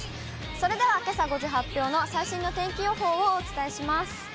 それでは、けさ５時発表の最新の天気予報をお伝えします。